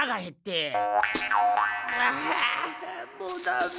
あもうダメ！